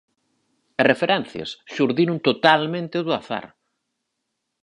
As referencias xurdiron totalmente do azar.